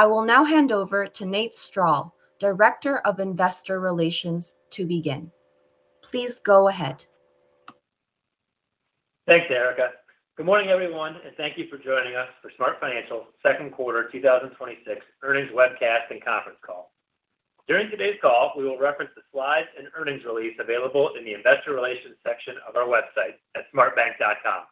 I will now hand over to Nate Strall, Director of Investor Relations, to begin. Please go ahead. Thanks, Erica. Good morning, everyone, and thank you for joining us for SmartFinancial's second quarter 2026 earnings webcast and conference call. During today's call, we will reference the slides and earnings release available in the investor relations section of our website at smartbank.com.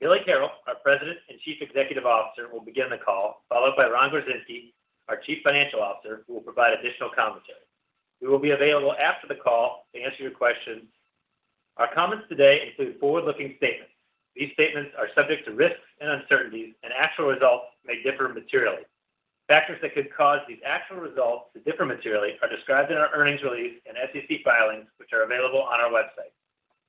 Billy Carroll, our President and Chief Executive Officer, will begin the call, followed by Ron Gorczynski, our Chief Financial Officer, who will provide additional commentary. We will be available after the call to answer your questions. Our comments today include forward-looking statements. These statements are subject to risks and uncertainties, and actual results may differ materially. Factors that could cause these actual results to differ materially are described in our earnings release and SEC filings, which are available on our website.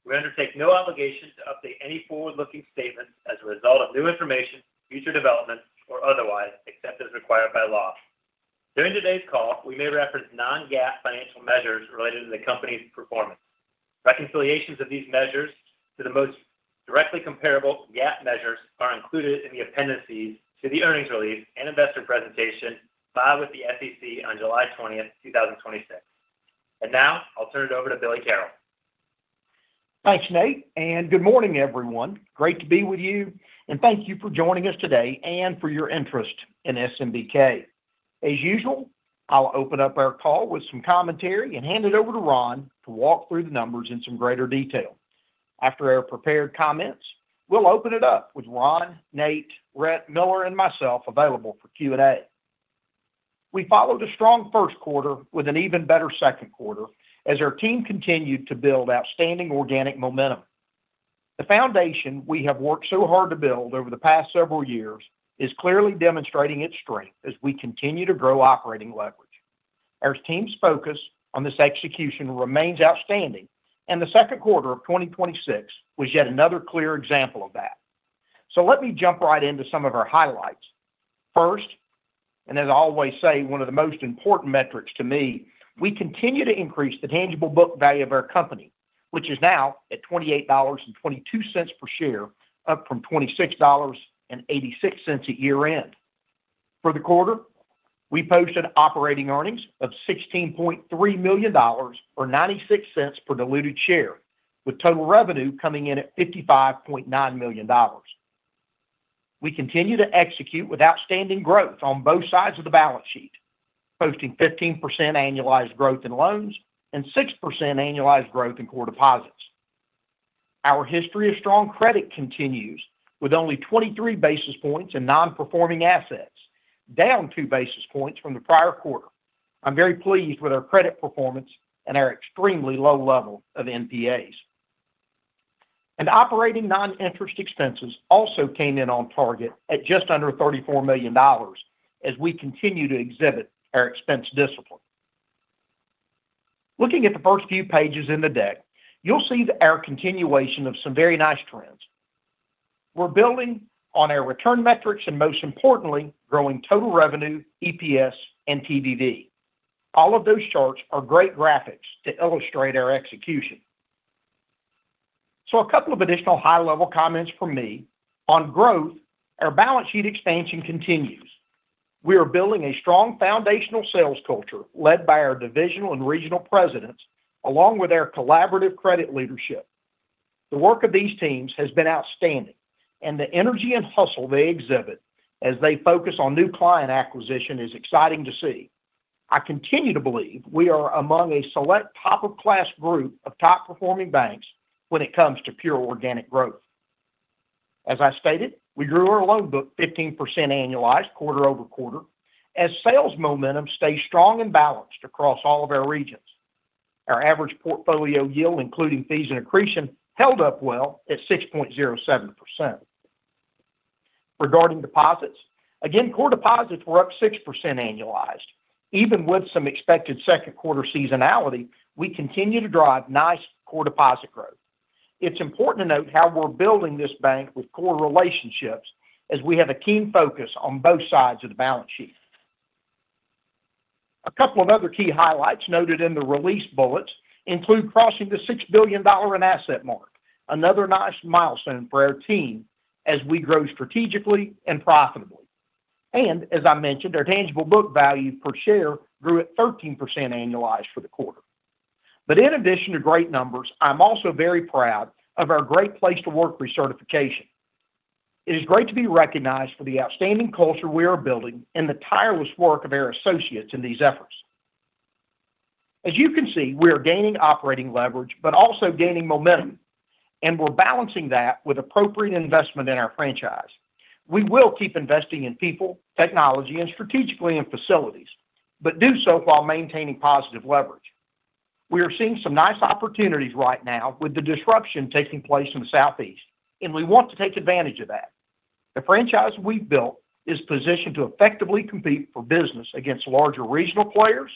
We undertake no obligation to update any forward-looking statements as a result of new information, future developments, or otherwise, except as required by law. During today's call, we may reference non-GAAP financial measures related to the company's performance. Reconciliations of these measures to the most directly comparable GAAP measures are included in the appendices to the earnings release and investor presentation filed with the SEC on July 20th, 2026. Now I'll turn it over to Billy Carroll. Thanks, Nate, and good morning, everyone. Great to be with you, and thank you for joining us today and for your interest in SMBK. As usual, I'll open up our call with some commentary and hand it over to Ron to walk through the numbers in some greater detail. After our prepared comments, we'll open it up with Ron, Nate, Rhett, Miller, and myself available for Q&A. We followed a strong first quarter with an even better second quarter as our team continued to build outstanding organic momentum. The foundation we have worked so hard to build over the past several years is clearly demonstrating its strength as we continue to grow operating leverage. Our team's focus on this execution remains outstanding, and the second quarter of 2026 was yet another clear example of that. Let me jump right into some of our highlights. First, as I always say, one of the most important metrics to me, we continue to increase the tangible book value of our company, which is now at $28.22 per share, up from $26.86 at year-end. For the quarter, we posted operating earnings of $16.3 million, or $0.96 per diluted share, with total revenue coming in at $55.9 million. We continue to execute with outstanding growth on both sides of the balance sheet, posting 15% annualized growth in loans and 6% annualized growth in core deposits. Our history of strong credit continues with only 23 basis points in Nonperforming Assets, down 2 basis points from the prior quarter. I'm very pleased with our credit performance and our extremely low level of NPAs. Operating non-interest expenses also came in on target at just under $34 million as we continue to exhibit our expense discipline. Looking at the first few pages in the deck, you'll see our continuation of some very nice trends. We're building on our return metrics and most importantly, growing total revenue, EPS, and TBV. All of those charts are great graphics to illustrate our execution. A couple of additional high-level comments from me. On growth, our balance sheet expansion continues. We are building a strong foundational sales culture led by our divisional and regional presidents, along with our collaborative credit leadership. The work of these teams has been outstanding, and the energy and hustle they exhibit as they focus on new client acquisition is exciting to see. I continue to believe we are among a select top-class group of top-performing banks when it comes to pure organic growth. As I stated, we grew our loan book 15% annualized quarter-over-quarter as sales momentum stayed strong and balanced across all of our regions. Our average portfolio yield, including fees and accretion, held up well at 6.07%. Regarding deposits, again, core deposits were up 6% annualized. Even with some expected second quarter seasonality, we continue to drive nice core deposit growth. It's important to note how we're building this bank with core relationships as we have a keen focus on both sides of the balance sheet. A couple of other key highlights noted in the release bullets include crossing the $6 billion in asset mark, another nice milestone for our team as we grow strategically and profitably. As I mentioned, our tangible book value per share grew at 13% annualized for the quarter. In addition to great numbers, I'm also very proud of our Great Place to Work recertification. It is great to be recognized for the outstanding culture we are building and the tireless work of our associates in these efforts. As you can see, we are gaining operating leverage, also gaining momentum, and we're balancing that with appropriate investment in our franchise. We will keep investing in people, technology, and strategically in facilities, but do so while maintaining positive leverage. We are seeing some nice opportunities right now with the disruption taking place in the Southeast, we want to take advantage of that. The franchise we've built is positioned to effectively compete for business against larger regional players,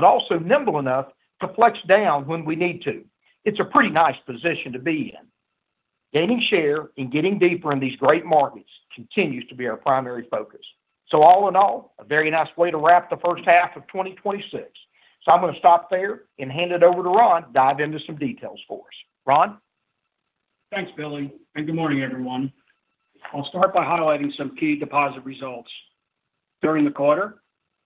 also nimble enough to flex down when we need to. It's a pretty nice position to be in. Gaining share and getting deeper in these great markets continues to be our primary focus. All in all, a very nice way to wrap the first half of 2026. I'm going to stop there and hand it over to Ron to dive into some details for us. Ron? Thanks, Billy, and good morning, everyone. I'll start by highlighting some key deposit results. During the quarter,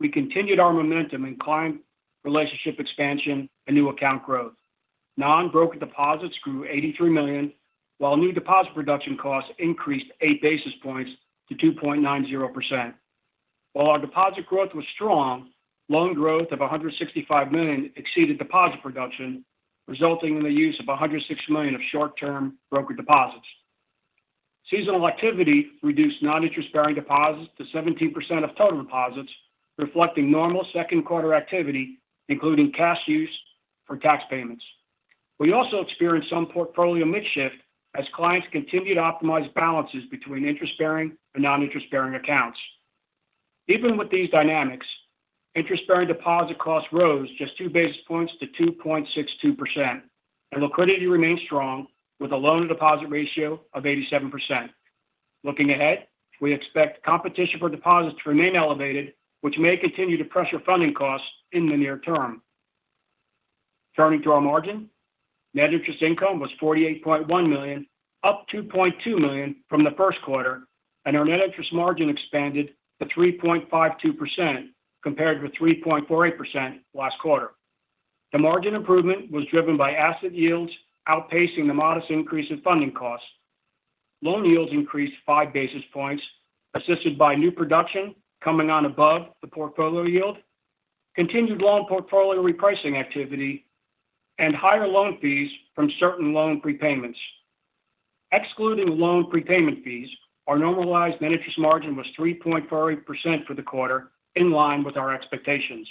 we continued our momentum in client relationship expansion and new account growth. Non-broker deposits grew to $83 million, while new deposit production costs increased 8 basis points to 2.90%. While our deposit growth was strong, loan growth of $165 million exceeded deposit production, resulting in the use of $106 million of short-term broker deposits. Seasonal activity reduced non-interest-bearing deposits to 17% of total deposits, reflecting normal second quarter activity, including cash use for tax payments. We also experienced some portfolio mix shift as clients continued to optimize balances between interest-bearing and non-interest-bearing accounts. Even with these dynamics, interest-bearing deposit costs rose just 2 basis points to 2.62%, and liquidity remains strong with a loan-to-deposit ratio of 87%. Looking ahead, we expect competition for deposits to remain elevated, which may continue to pressure funding costs in the near term. Turning to our margin, net interest income was $48.1 million, up $2.2 million from the first quarter, and our net interest margin expanded to 3.52%, compared with 3.48% last quarter. The margin improvement was driven by asset yields outpacing the modest increase in funding costs. Loan yields increased 5 basis points, assisted by new production coming on above the portfolio yield, continued loan portfolio repricing activity, and higher loan fees from certain loan prepayments. Excluding loan prepayment fees, our normalized net interest margin was 3.48% for the quarter, in line with our expectations.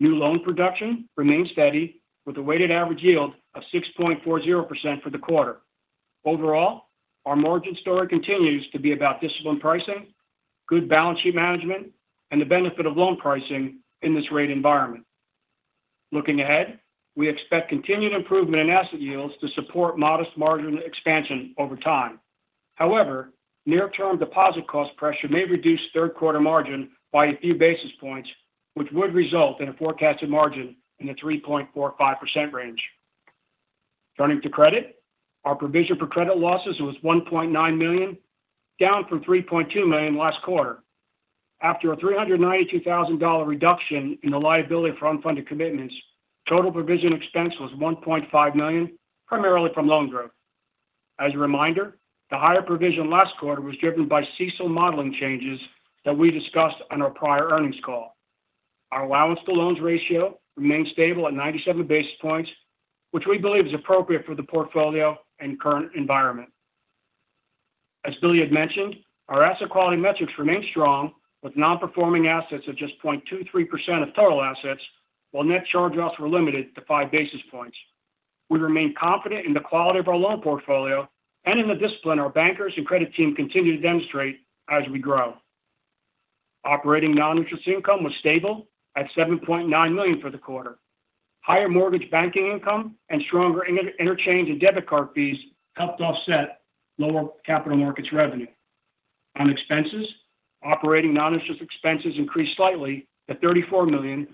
New loan production remained steady with a weighted average yield of 6.40% for the quarter. Overall, our margin story continues to be about disciplined pricing, good balance sheet management, and the benefit of loan pricing in this rate environment. Looking ahead, we expect continued improvement in asset yields to support modest margin expansion over time. However, near-term deposit cost pressure may reduce third quarter margin by a few basis points, which would result in a forecasted margin in the 3.45% range. Turning to credit, our provision for credit losses was $1.9 million, down from $3.2 million last quarter. After a $392,000 reduction in the liability for unfunded commitments, total provision expense was $1.5 million, primarily from loan growth. As a reminder, the higher provision last quarter was driven by CECL modeling changes that we discussed on our prior earnings call. Our allowance to loans ratio remained stable at 97 basis points, which we believe is appropriate for the portfolio and current environment. As Billy had mentioned, our asset quality metrics remain strong with non-performing assets of just 0.23% of total assets, while net charge-offs were limited to 5 basis points. We remain confident in the quality of our loan portfolio and in the discipline our bankers and credit team continue to demonstrate as we grow. Operating non-interest income was stable at $7.9 million for the quarter. Higher mortgage banking income and stronger interchange and debit card fees helped offset lower capital markets revenue. On expenses, operating non-interest expenses increased slightly to $34 million,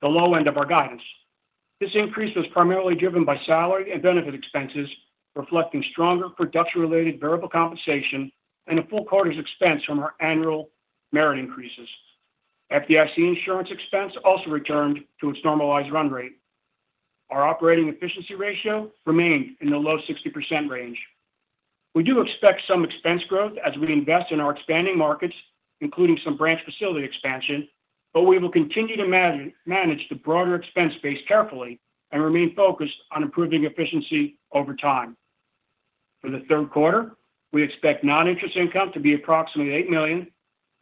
the low end of our guidance. This increase was primarily driven by salary and benefit expenses, reflecting stronger production-related variable compensation and a full quarter's expense from our annual merit increases. FDIC insurance expense also returned to its normalized run rate. Our operating efficiency ratio remained in the low 60% range. We do expect some expense growth as we invest in our expanding markets, including some branch facility expansion, but we will continue to manage the broader expense base carefully and remain focused on improving efficiency over time. For the third quarter, we expect non-interest income to be approximately $8 million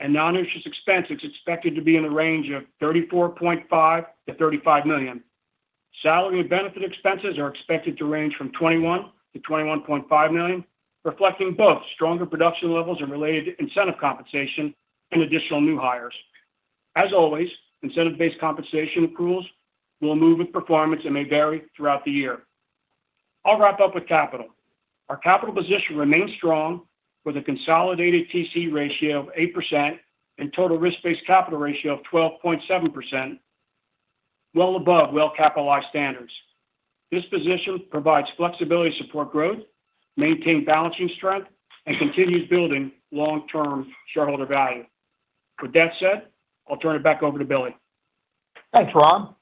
and non-interest expense is expected to be in the range of $34.5 million-$35 million. Salary and benefit expenses are expected to range from $21 million-$21.5 million, reflecting both stronger production levels and related incentive compensation and additional new hires. As always, incentive-based compensation accruals will move with performance and may vary throughout the year. I'll wrap up with capital. Our capital position remains strong with a consolidated TCE ratio of 8% and total risk-based capital ratio of 12.7%, well above well-capitalized standards. This position provides flexibility to support growth, maintain balance sheet strength, and continue building long-term shareholder value. With that said, I'll turn it back over to Billy. Thanks, Ron.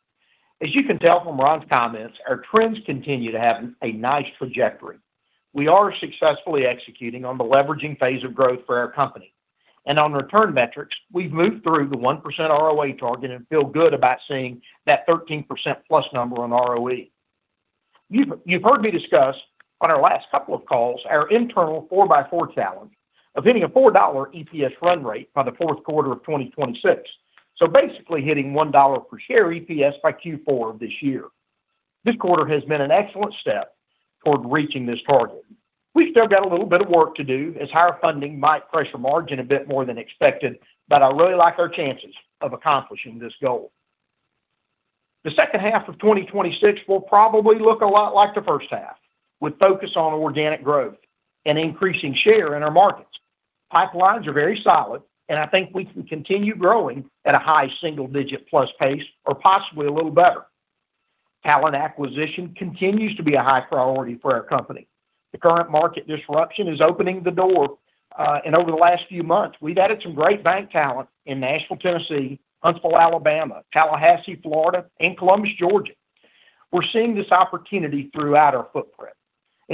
As you can tell from Ron's comments, our trends continue to have a nice trajectory. We are successfully executing on the leveraging phase of growth for our company. On return metrics, we've moved through the 1% ROA target and feel good about seeing that 13%+ number on ROE. You've heard me discuss on our last couple of calls our internal 4x4 challenge of hitting a $4 EPS run rate by the fourth quarter of 2026. Basically hitting $1 per share EPS by Q4 of this year. This quarter has been an excellent step toward reaching this target. We've still got a little bit of work to do as higher funding might pressure margin a bit more than expected, but I really like our chances of accomplishing this goal. The second half of 2026 will probably look a lot like the first half, with focus on organic growth and increasing share in our markets. Pipelines are very solid, I think we can continue growing at a high single-digit-plus pace, or possibly a little better. Talent acquisition continues to be a high priority for our company. The current market disruption is opening the door, and over the last few months we've added some great bank talent in Nashville, Tennessee, Huntsville, Alabama, Tallahassee, Florida, and Columbus, Georgia. We're seeing this opportunity throughout our footprint.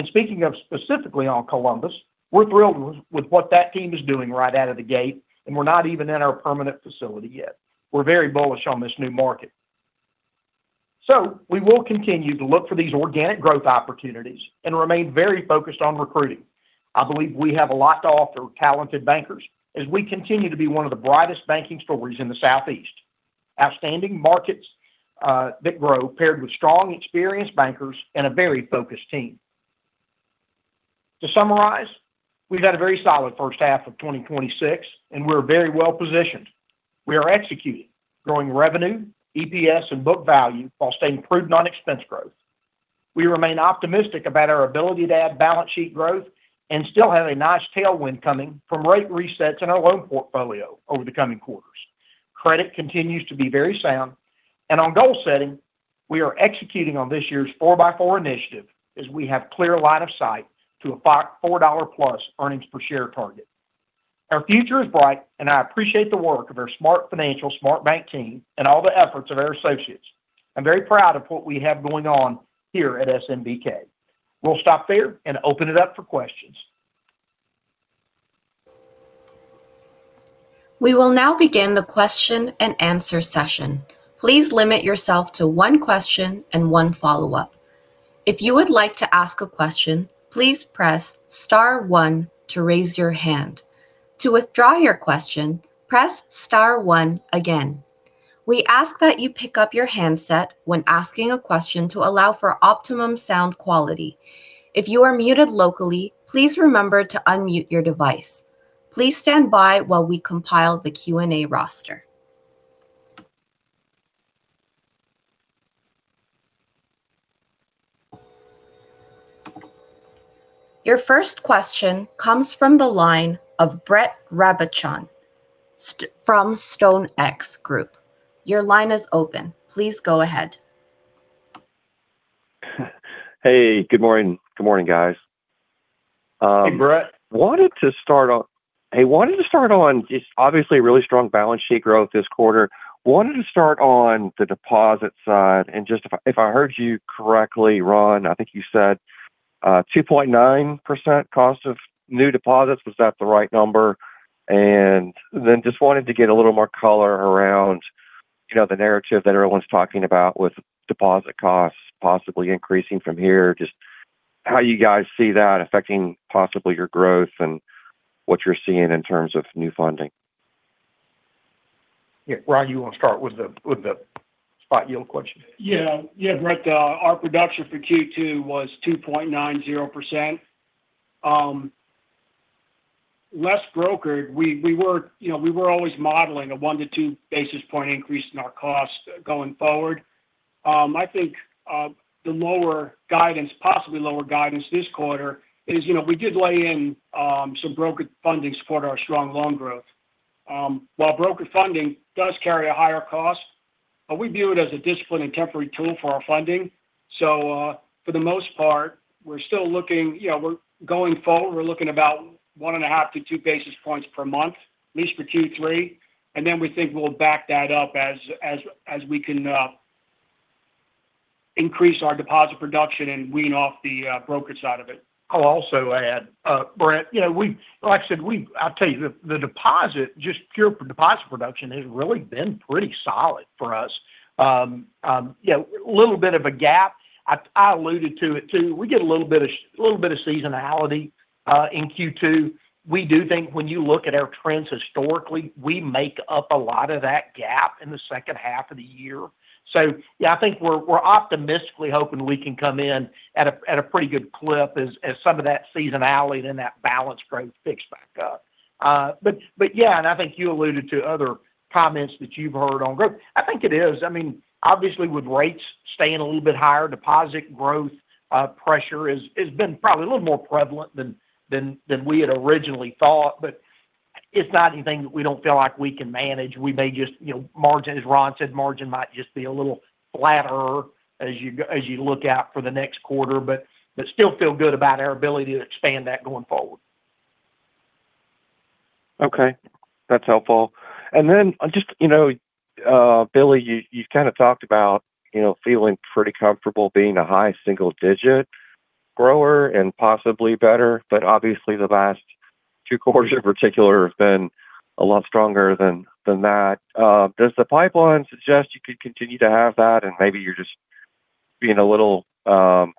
Speaking of specifically on Columbus, we're thrilled with what that team is doing right out of the gate, and we're not even in our permanent facility yet. We're very bullish on this new market. We will continue to look for these organic growth opportunities and remain very focused on recruiting. I believe we have a lot to offer talented bankers as we continue to be one of the brightest banking stories in the Southeast. Outstanding markets that grow, paired with strong, experienced bankers and a very focused team. To summarize, we've had a very solid first half of 2026, and we're very well-positioned. We are executing, growing revenue, EPS, and book value, while staying prudent on expense growth. We remain optimistic about our ability to add balance sheet growth and still have a nice tailwind coming from rate resets in our loan portfolio over the coming quarters. Credit continues to be very sound. On goal setting, we are executing on this year's four by four initiative, as we have clear line of sight to a $4+ earnings per share target. Our future is bright. I appreciate the work of our SmartFinancial, SmartBank team and all the efforts of our associates. I'm very proud of what we have going on here at SMBK. We'll stop there and open it up for questions. We will now begin the question-and-answer session. Please limit yourself to one question and one follow-up. If you would like to ask a question, please press star one to raise your hand. To withdraw your question, press star one again. We ask that you pick up your handset when asking a question to allow for optimum sound quality. If you are muted locally, please remember to unmute your device. Please stand by while we compile the Q&A roster. Your first question comes from the line of Brett Rabatin from StoneX Group. Your line is open. Please go ahead. Hey, good morning. Good morning, guys. Hey, Brett. Hey, wanted to start on, obviously really strong balance sheet growth this quarter. Wanted to start on the deposit side and just if I heard you correctly, Ron, I think you said 2.9% cost of new deposits. Was that the right number? Just wanted to get a little more color around the narrative that everyone's talking about with deposit costs possibly increasing from here, just how you guys see that affecting possibly your growth and what you're seeing in terms of new funding. Yeah. Ron, you want to start with the spot yield question? Yeah, Brett. Our production for Q2 was 2.90%. Less brokered. We were always modeling a 1 basis point-2 basis point increase in our cost going forward. I think the lower guidance, possibly lower guidance this quarter is, we did lay in some brokered funding to support our strong loan growth. While brokered funding does carry a higher cost, we view it as a discipline and temporary tool for our funding. For the most part, going forward, we're looking about 1.5 basis points-2 basis points per month, at least for Q3. Then we think we'll back that up as we can increase our deposit production and wean off the brokerage side of it. I'll also add, Brett, like I said, I'll tell you, the deposit, just pure deposit production has really been pretty solid for us. A little bit of a gap. I alluded to it too. We get a little bit of seasonality in Q2. We do think when you look at our trends historically, we make up a lot of that gap in the second half of the year. Yeah, I think we're optimistically hoping we can come in at a pretty good clip as some of that seasonality, then that balance growth picks back up. Yeah, I think you alluded to other comments that you've heard on growth. I think it is. Obviously with rates staying a little bit higher, deposit growth pressure has been probably a little more prevalent than we had originally thought, but it's not anything that we don't feel like we can manage. As Ron said, margin might just be a little flatter as you look out for the next quarter, Still feel good about our ability to expand that going forward. Okay. That's helpful. Then just, Billy, you kind of talked about feeling pretty comfortable being a high single-digit grower and possibly better, obviously the last two quarters in particular have been a lot stronger than that. Does the pipeline suggest you could continue to have that and maybe you're just being a little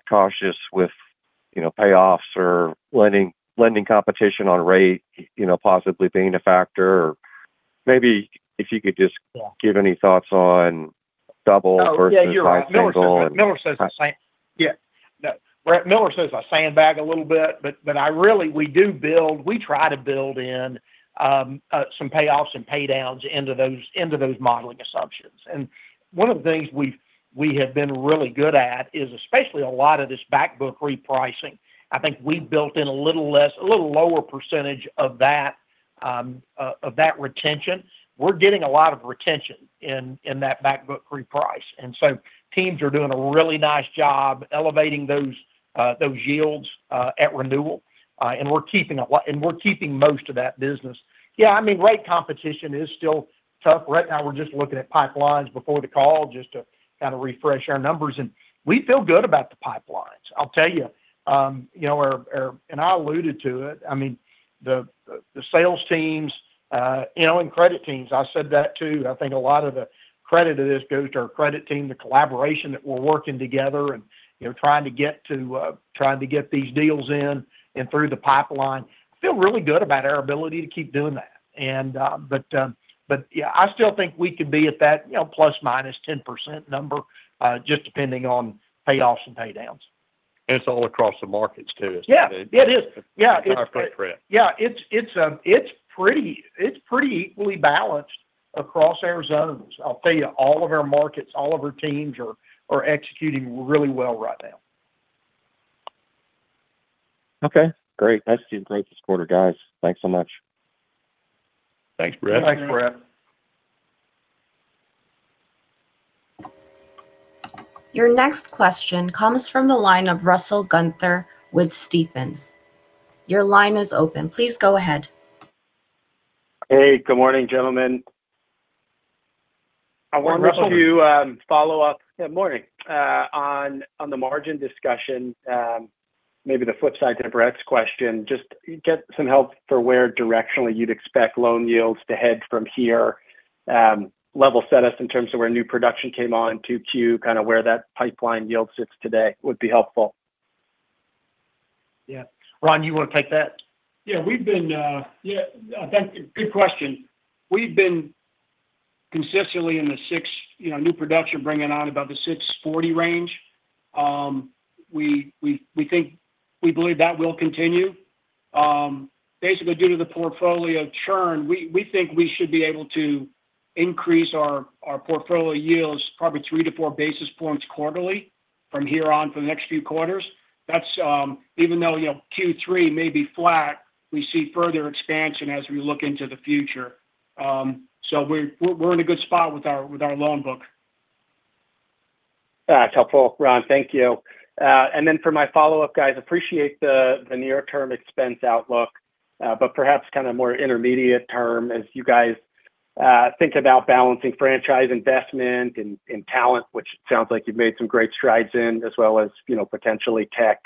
cautious with payoffs or lending competition on rate possibly being a factor? Maybe if you could just- Yeah. give any thoughts on double versus- Oh, yeah. You're right. single and- Miller says the same. Yeah. No. Brett, Miller says I sandbag a little bit, but really, we do build. We try to build in some payoffs and pay downs into those modeling assumptions. One of the things we have been really good at is especially a lot of this back book repricing. I think we've built in a little lower percentage of that retention. We're getting a lot of retention in that back book reprice. Teams are doing a really nice job elevating those yields at renewal. We're keeping most of that business. Yeah, rate competition is still tough. Right now we're just looking at pipelines before the call just to kind of refresh our numbers, and we feel good about the pipelines. I'll tell you, and I alluded to it. The sales teams and credit teams, I said that too. I think a lot of the credit of this goes to our credit team, the collaboration that we're working together and trying to get these deals in and through the pipeline. Feel really good about our ability to keep doing that. Yeah, I still think we could be at that ±10% number, just depending on payoffs and pay downs. It's all across the markets too, isn't it? Yeah, it is. [inaudible] Yeah. It's pretty equally balanced across our zones. I'll tell you, all of our markets, all of our teams are executing really well right now. Okay, great. Nice to see you. Great quarter, guys. Thanks so much. Thanks, Brett. Thanks, Brett. Your next question comes from the line of Russell Gunther with Stephens. Your line is open. Please go ahead. Hey, good morning, gentlemen. Hi, Russell. I wanted to follow up- Yeah, morning. on the margin discussion. Maybe the flip side to Brett's question, just get some help for where directionally you'd expect loan yields to head from here. Level set us in terms of where new production came on in 2Q, kind of where that pipeline yield sits today would be helpful. Ron, you want to take that? Good question. We've been consistently in the new production bringing on about the 640 range. We believe that will continue. Basically due to the portfolio churn, we think we should be able to increase our portfolio yields probably 3 basis points-4 basis points quarterly from here on for the next few quarters. Even though Q3 may be flat, we see further expansion as we look into the future. We're in a good spot with our loan book. That's helpful, Ron, thank you. For my follow-up, guys, appreciate the near-term expense outlook. Perhaps kind of more intermediate term as you guys think about balancing franchise investment and talent, which sounds like you've made some great strides in, as well as potentially tech.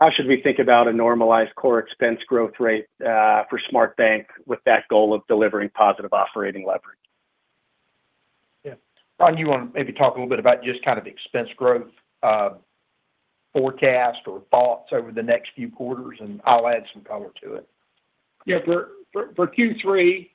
How should we think about a normalized core expense growth rate for SmartBank with that goal of delivering positive operating leverage? Ron, do you want to maybe talk a little bit about just kind of expense growth forecast or thoughts over the next few quarters, and I'll add some color to it. Yeah. For Q3,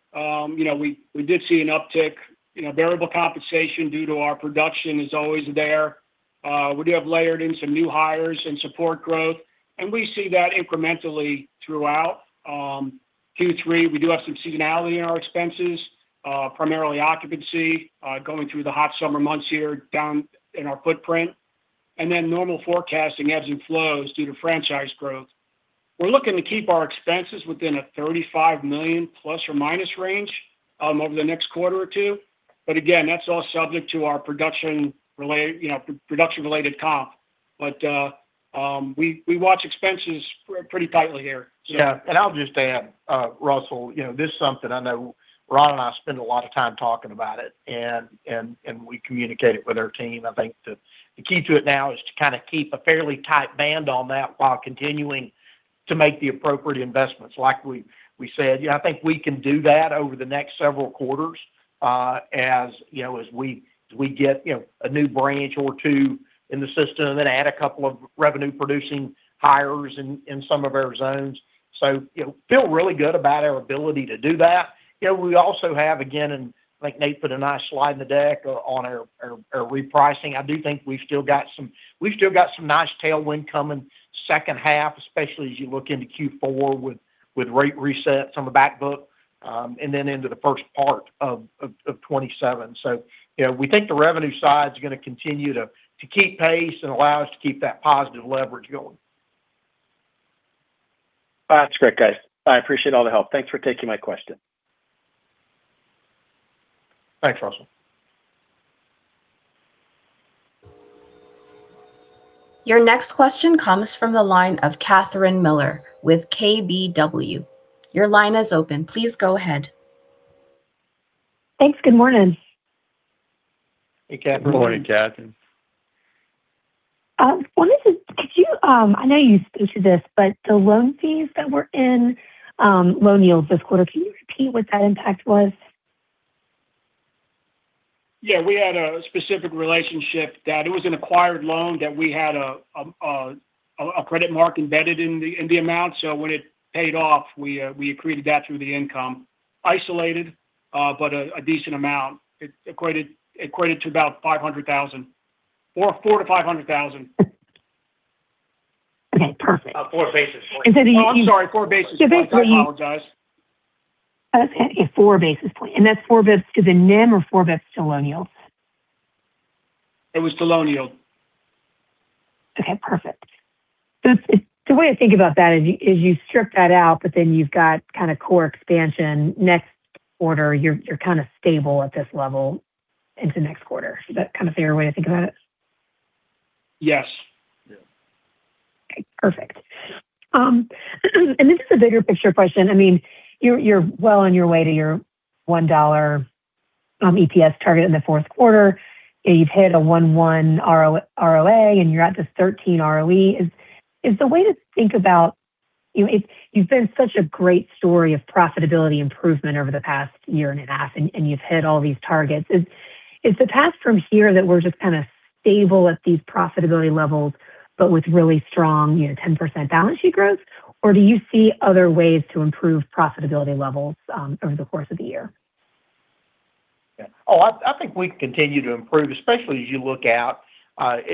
we did see an uptick. Variable compensation due to our production is always there. We have layered in some new hires and support growth, and we see that incrementally throughout Q3. We do have some seasonality in our expenses, primarily occupancy going through the hot summer months here down in our footprint, and then normal forecasting ebbs and flows due to franchise growth. We're looking to keep our expenses within a $35 million± range over the next quarter or two. Again, that's all subject to our production-related comp. We watch expenses pretty tightly here, so- Yeah. I'll just add, Russell, this is something I know Ron and I spend a lot of time talking about it, we communicate it with our team. I think the key to it now is to kind of keep a fairly tight band on that while continuing to make the appropriate investments. Like we said, I think we can do that over the next several quarters as we get a new branch or two in the system, then add a couple of revenue-producing hires in some of our zones. Feel really good about our ability to do that. We also have, again, I think Nate put a nice slide in the deck on our repricing. I do think we've still got some nice tailwind coming second half, especially as you look into Q4 with rate resets on the back book, then into the first part of 2027. We think the revenue side's going to continue to keep pace and allow us to keep that positive leverage going. That's great, guys. I appreciate all the help. Thanks for taking my question. Thanks, Russell. Your next question comes from the line of Catherine Mealor with KBW. Your line is open. Please go ahead. Thanks. Good morning. Hey, Catherine. Good morning Catherine. I know you spoke to this, but the loan fees that were in loan yields this quarter, can you repeat what that impact was? Yeah. We had a specific relationship that it was an acquired loan that we had a credit mark embedded in the amount. When it paid off, we accreted that through the income. Isolated, a decent amount. It equated to about $400,000-$500,000. Okay, perfect. 4 basis points. Oh, I'm sorry, 4 basis points. I apologize. 4 basis point. That's 4 basis points is it NIM or 4 basis points Colonial? It was Colonial. Okay, perfect. The way to think about that is you strip that out, you've got kind of core expansion next quarter. You're kind of stable at this level into next quarter. Is that a fair way to think about it? Yes. Yeah. Okay, perfect. This is a bigger picture question. You're well on your way to your $1 EPS target in the fourth quarter. You've hit a 1.1% ROA, and you're at this 13% ROE. You've been such a great story of profitability improvement over the past year and a half, you've hit all these targets. Is the path from here that we're just kind of stable at these profitability levels but with really strong 10% balance sheet growth, or do you see other ways to improve profitability levels over the course of the year? Yeah. Oh, I think we can continue to improve, especially, Catherine,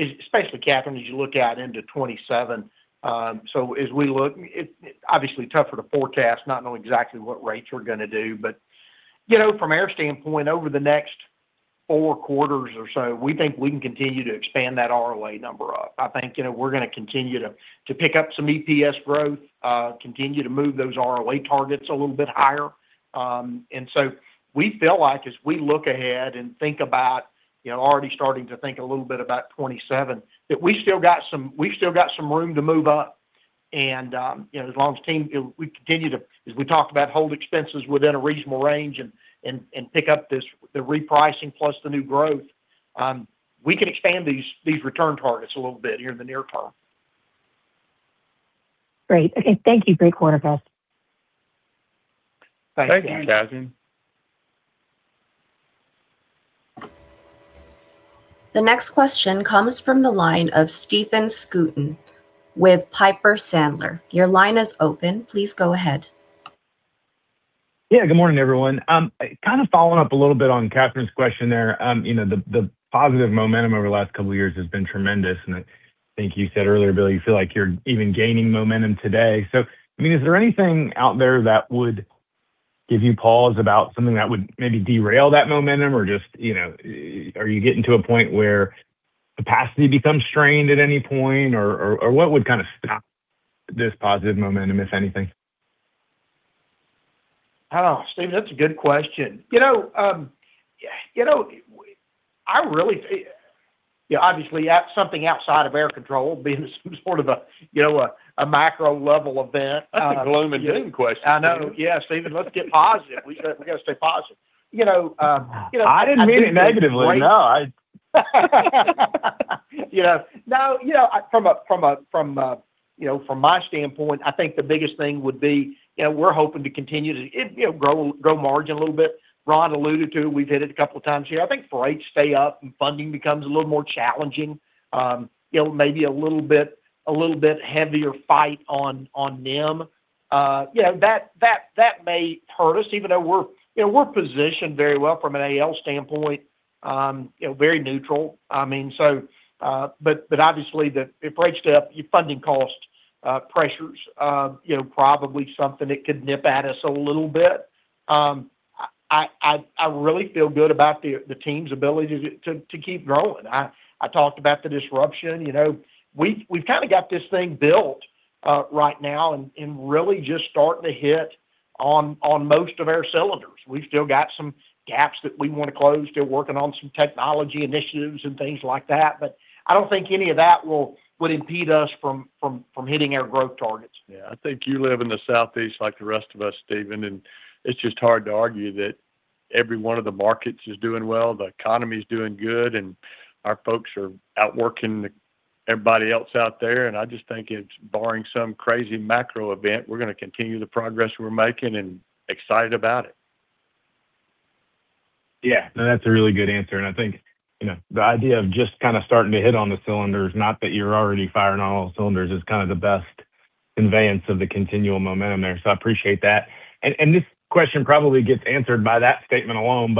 as you look out into 2027. As we look, it's obviously tougher to forecast, not knowing exactly what rates we're going to do. From our standpoint, over the next four quarters or so, we think we can continue to expand that ROA number up. I think we're going to continue to pick up some EPS growth, continue to move those ROA targets a little bit higher. We feel like as we look ahead and think about already starting to think a little bit about 2027, that we still got some room to move up. As long as the team, as we talked about, hold expenses within a reasonable range and pick up the repricing plus the new growth, we can expand these return targets a little bit here in the near term. Great. Okay, thank you. Great quarter, guys. Thank you, Catherine. Thanks. The next question comes from the line of Stephen Scouten with Piper Sandler. Your line is open. Please go ahead. Good morning, everyone. Kind of following up a little bit on Catherine's question there. The positive momentum over the last couple of years has been tremendous, and I think you said earlier, Billy, you feel like you're even gaining momentum today. Is there anything out there that would give you pause about something that would maybe derail that momentum? Are you getting to a point where capacity becomes strained at any point? What would kind of stop this positive momentum, if anything? Stephen, that's a good question. Obviously, something outside of our control being some sort of a macro level event. That's a gloom and doom question. I know. Yeah, Stephen, let's get positive. We got to stay positive. I didn't mean it negatively. No. From my standpoint, I think the biggest thing would be we're hoping to continue to grow margin a little bit. Ron alluded to it. We've hit it a couple of times here. I think if rates stay up and funding becomes a little more challenging, it may be a little bit heavier fight on NIM. That may hurt us, even though we're positioned very well from an A/L standpoint, very neutral. Obviously, if rates stay up, your funding cost pressures probably something that could nip at us a little bit. I really feel good about the team's ability to keep growing. I talked about the disruption. We've kind of got this thing built right now and really just starting to hit on most of our cylinders. We've still got some gaps that we want to close. Still working on some technology initiatives and things like that. I don't think any of that would impede us from hitting our growth targets. Yeah. I think you live in the Southeast like the rest of us, Stephen, and it's just hard to argue that every one of the markets is doing well, the economy's doing good, and our folks are outworking everybody else out there. I just think it's barring some crazy macro event, we're going to continue the progress we're making and excited about it. Yeah. No, that's a really good answer. I think the idea of just kind of starting to hit on the cylinders, not that you're already firing on all cylinders, is kind of the best conveyance of the continual momentum there. I appreciate that. This question probably gets answered by that statement alone,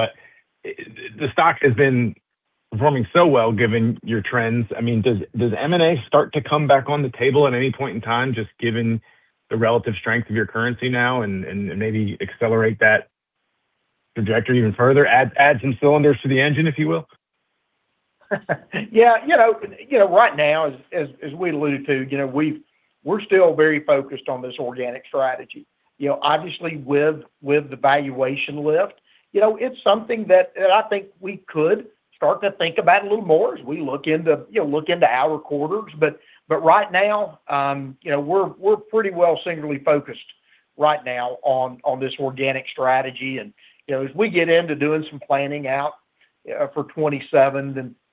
the stock has been performing so well given your trends. Does M&A start to come back on the table at any point in time, just given the relative strength of your currency now, and maybe accelerate that trajectory even further? Add some cylinders to the engine, if you will? Yeah. Right now, as we alluded to, we're still very focused on this organic strategy. Obviously, with the valuation lift, it's something that I think we could start to think about a little more as we look into our quarters. Right now, we're pretty well singularly focused right now on this organic strategy. As we get into doing some planning out for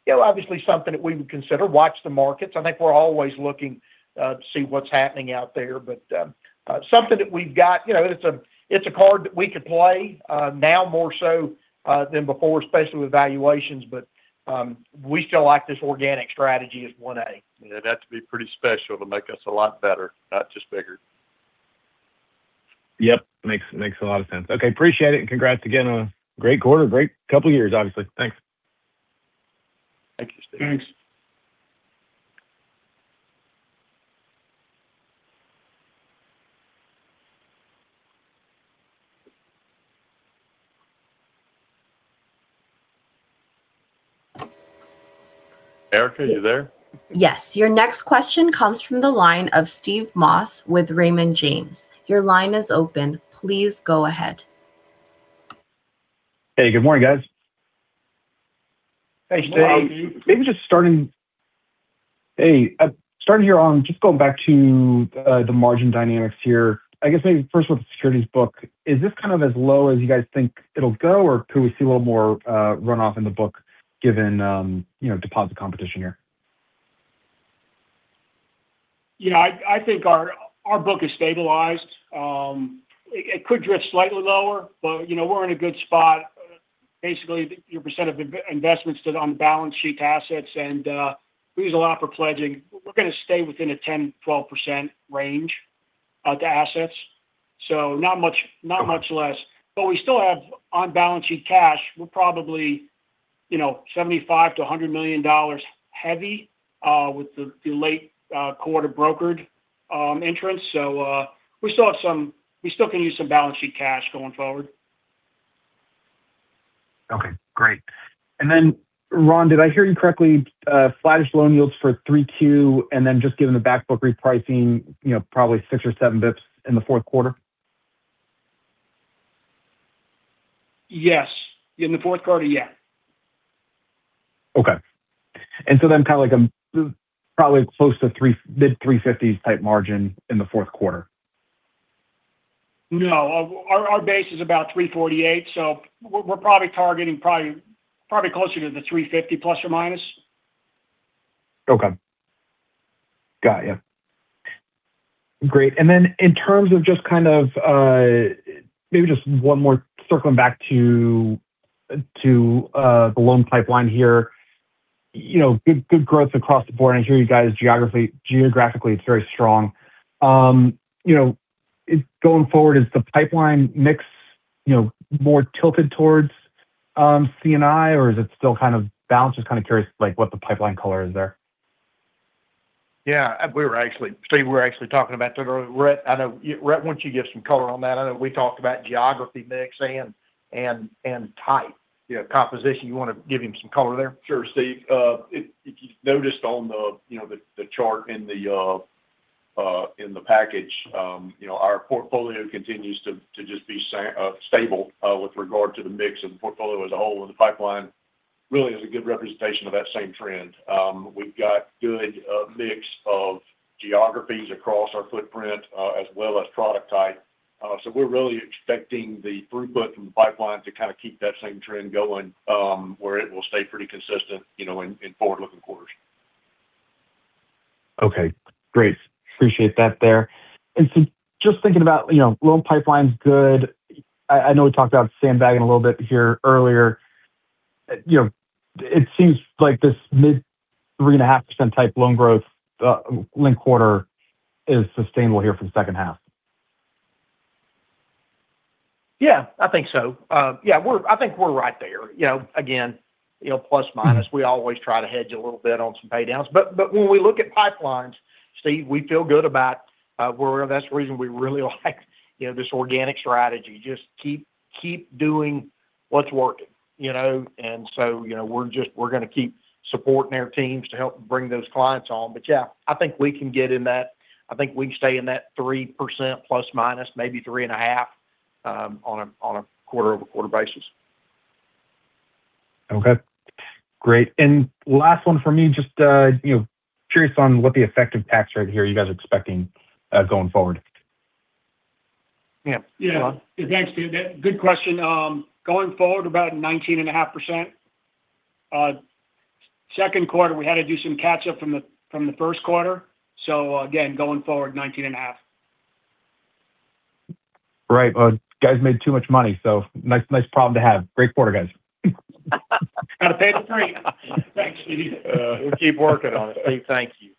2027, obviously something that we would consider. Watch the markets. I think we're always looking to see what's happening out there. Something that we've got, it's a card that we could play now more so than before, especially with valuations, but we still like this organic strategy as 1A. Yeah, it'd have to be pretty special to make us a lot better, not just bigger. Yep. Makes a lot of sense. Okay, appreciate it, and congrats again on a great quarter. Great couple of years, obviously. Thanks. Thank you, Stephen. Thanks. Erica, you there? Yes. Your next question comes from the line of Steve Moss with Raymond James. Your line is open. Please go ahead. Hey, good morning, guys. Hey, Steve. Good morning. Maybe just starting here on going back to the margin dynamics here. I guess maybe first with the securities book, is this as low as you guys think it will go, or could we see a little more runoff in the book given deposit competition here? I think our book is stabilized. It could drift slightly lower, but we're in a good spot. Basically, your percent of investments on the balance sheet assets, and we use a lot for pledging. We're going to stay within a 10%-12% range of the assets, so not much less. We still have on-balance sheet cash. We're probably $75 million-$100 million heavy with the late quarter brokered entrance. We still can use some balance sheet cash going forward. Okay, great. Ron, did I hear you correctly? Flattish loan yields for 3Q, and then just given the back book repricing probably 6 basis points or 7 basis points in the fourth quarter? Yes. In the fourth quarter, yeah. Okay. Kind of like a probably close to mid-350s type margin in the fourth quarter? No. Our base is about 348, so we're probably targeting probably closer to the 350±. Okay. Got you. Great. In terms of just kind of maybe just one more circling back to the loan pipeline here. Good growth across the board, and I hear you guys geographically it's very strong. Going forward, is the pipeline mix more tilted towards C&I, or is it still kind of balanced? Just kind of curious what the pipeline color is there. Yeah, Steve, we were actually talking about that earlier. Rhett, why don't you give some color on that? I know we talked about geography mix and type composition. You want to give him some color there? Sure, Steve. If you noticed on the chart in the package, our portfolio continues to just be stable with regard to the mix of the portfolio as a whole, the pipeline really is a good representation of that same trend. We've got good mix of geographies across our footprint, as well as product type. We're really expecting the throughput from the pipeline to kind of keep that same trend going, where it will stay pretty consistent in forward-looking quarters. Okay, great. Appreciate that there. Just thinking about loan pipeline's good. I know we talked about sandbagging a little bit here earlier. It seems like this mid-3.5% type loan growth linked quarter is sustainable here for the second half. Yeah, I think so. Yeah, I think we're right there. Again, plus-minus, we always try to hedge a little bit on some pay-downs. When we look at pipelines, Steve, we feel good about where we are. That's the reason we really like this organic strategy. Just keep doing what's working. We're going to keep supporting our teams to help bring those clients on. Yeah, I think we can stay in that 3%±, maybe 3.5%±, on a quarter-over-quarter basis. Okay, great. Last one for me, just curious on what the effective tax rate here you guys are expecting going forward? Yeah. Yeah. Thanks, Steve. Good question. Going forward, about 19.5%. Second quarter, we had to do some catch-up from the first quarter. Again, going forward, 19.5%. Right. You guys made too much money, nice problem to have. Great quarter, guys. Gotta pay the team. Thanks, Steve. We'll keep working on it, Steve. Thank you.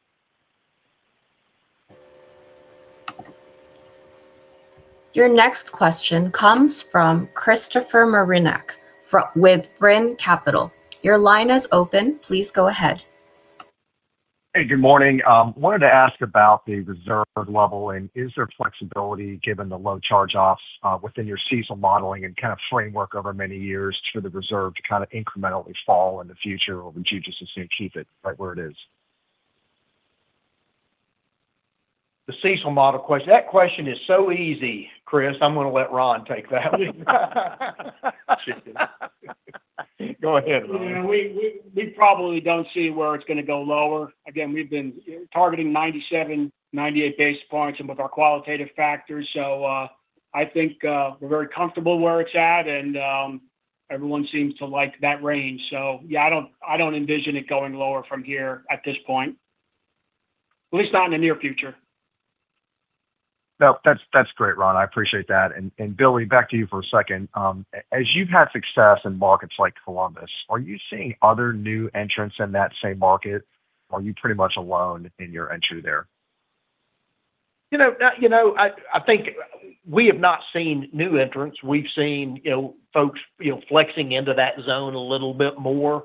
Your next question comes from Christopher Marinac with Brean Capital. Your line is open. Please go ahead. Hey, good morning. Wanted to ask about the reserve level. Is there flexibility given the low charge-offs within your CECL modeling and kind of framework over many years for the reserve to kind of incrementally fall in the future? Would you just assume keep it right where it is? The CECL model question. That question is so easy, Chris. I'm going to let Ron take that one. Go ahead, Ron. We probably don't see where it's going to go lower. Again, we've been targeting 97 basis points, 98 basis points with our qualitative factors. I think we're very comfortable where it's at, and everyone seems to like that range. Yeah, I don't envision it going lower from here at this point, at least not in the near future. No, that's great, Ron. I appreciate that. Billy, back to you for a second. As you've had success in markets like Columbus, are you seeing other new entrants in that same market, or are you pretty much alone in your entry there? I think we have not seen new entrants. We've seen folks flexing into that zone a little bit more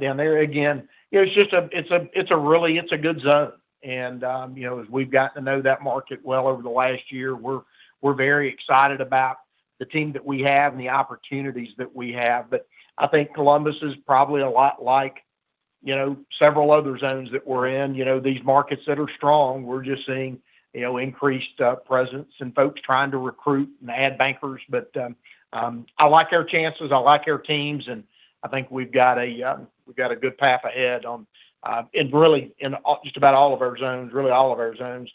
down there. Again, it's a good zone. As we've gotten to know that market well over the last year, we're very excited about the team that we have and the opportunities that we have. I think Columbus is probably a lot like several other zones that we're in. These markets that are strong, we're just seeing increased presence and folks trying to recruit and add bankers. I like our chances, I like our teams, and I think we've got a good path ahead in just about all of our zones, really all of our zones.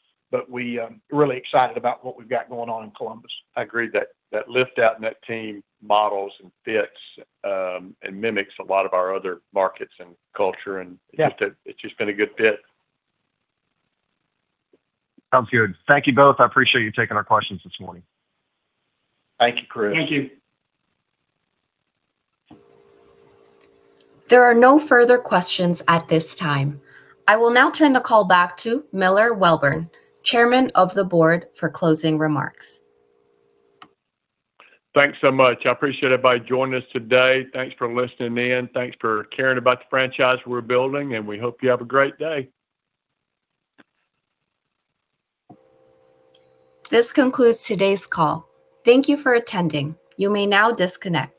We are really excited about what we've got going on in Columbus. I agree. That lift-out and that team models and fits and mimics a lot of our other markets and culture. Yeah. It's just been a good fit. Sounds good. Thank you both. I appreciate you taking our questions this morning. Thank you, Chris. Thank you. There are no further questions at this time. I will now turn the call back to Miller Welborn, Chairman of the Board, for closing remarks. Thanks so much. I appreciate everybody joining us today. Thanks for listening in. Thanks for caring about the franchise we're building, and we hope you have a great day. This concludes today's call. Thank you for attending. You may now disconnect.